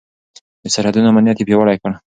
د سرحدونو امنيت يې پياوړی کړ.